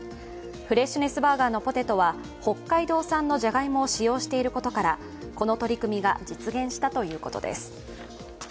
フレッシュネスバーガーのポテトは北海道産のじゃがいもを使用していることからこの取り組みが実現したということです。